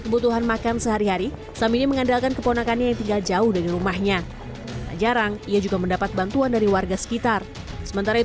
kepala desa sendiri tidak mempermasalahkan apa yang dilakukan sumadi